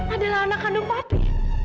adalah anak kandung papi